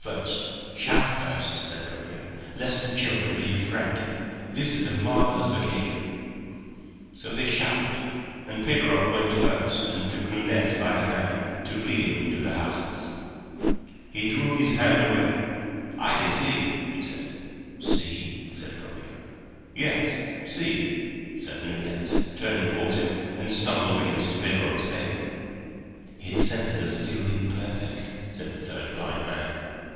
"Shout first," said Correa, "lest the children be afraid. This is a marvellous occasion." So they shouted, and Pedro went first and took Nunez by the hand to lead him to the houses. He drew his hand away. "I can see," he said. "See?" said Correa. "Yes; see," said Nunez, turning towards him, and stumbled against Pedro's pail. "His senses are still imperfect," said the third blind man.